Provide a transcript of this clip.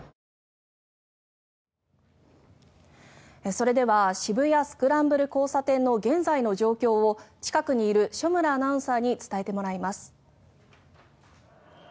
それでは渋谷・スクランブル交差点の現在の状況を近くにいる所村アナウンサーに伝えてもらいます。